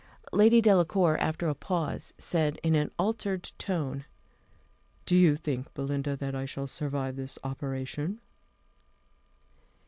Lady Delacour, after a pause, said, in an altered tone, "Do you think, Belinda, that I shall survive this operation?"